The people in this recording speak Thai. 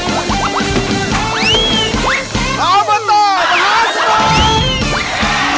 แล้วเจอกันอีกหนึ่งช่วงความประทับใจในรายการของเหล่าดารารับเชิญกัน